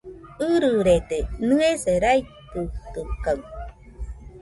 ɨrɨrede, nɨese raitɨtɨkaɨ